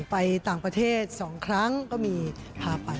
ไปต่างประเทศสองครั้งก็มีภาพันธ์